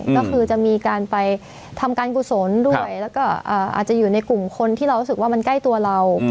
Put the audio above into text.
ก็คือจะมีการไปทำการกุศลด้วยแล้วก็อาจจะอยู่ในกลุ่มคนที่เรารู้สึกว่ามันใกล้ตัวเรา